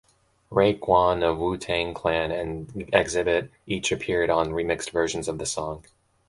Raekwon of Wu-Tang Clan and Xzibit each appeared on remixed versions of the song.